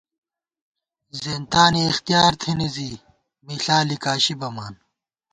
زېنتانی اختیار تھنی زِی ، مِݪا لِکاشی بَمان